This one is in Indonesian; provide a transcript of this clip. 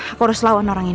aku harus lawan orang ini